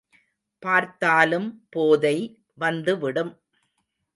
பார்த்தாலும் போதை வந்துவிடும்.